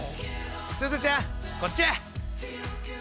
すずちゃんこっちや！